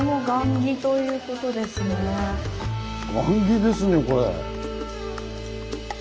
雁木ですねこれ。